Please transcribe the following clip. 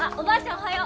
おはよう。